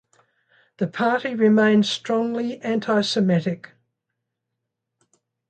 The party remains strongly anti-Semitic.